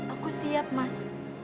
aku siap mas